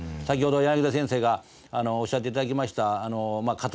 先ほど柳田先生がおっしゃっていただきましたまあ